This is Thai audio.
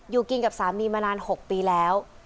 อยู่กินกับสามีมานาน๖ปีแล้ว